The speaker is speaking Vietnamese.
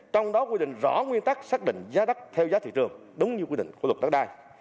trong đó quy định rõ nguyên tắc xác định giá đất theo giá thị trường đúng như quy định của luật đất đai